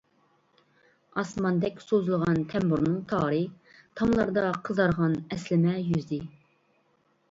ئاسماندەك سوزۇلغان تەمبۇرنىڭ تارى، تاملاردا قىزارغان ئەسلىمە يۈزى.